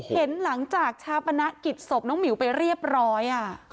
เห็นหลังจากชาปนกิจศพน้องหมิวไปเรียบร้อย